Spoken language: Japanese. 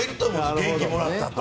元気もらったと。